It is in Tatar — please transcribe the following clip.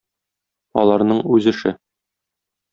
Аларның үз эше.